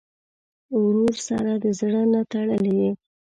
ورور سره د زړه نه تړلې یې.